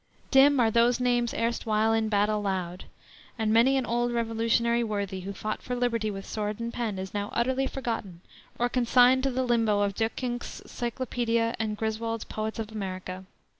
"Dim are those names erstwhile in battle loud," and many an old Revolutionary worthy who fought for liberty with sword and pen is now utterly forgotten, or consigned to the limbo of Duyckinck's Cyclopedia and Griswold's Poets of America.